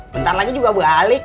bentar lagi juga bualik